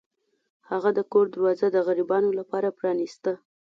هغه د کور دروازه د غریبانو لپاره پرانیسته.